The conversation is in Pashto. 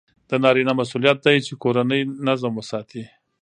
د نارینه مسئولیت دی چې کورنی نظم وساتي.